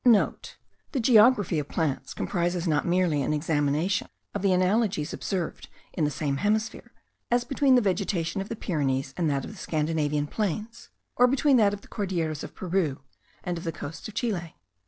(* The geography of plants comprises not merely an examination of the analogies observed in the same hemisphere; as between the vegetation of the Pyrenees and that of the Scandinavian plains; or between that of the Cordilleras of Peru and of the coasts of Chile.